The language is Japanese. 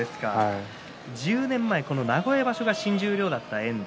１０年前この名古屋場所が新十両だった遠藤。